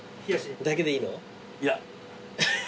だけでいいの？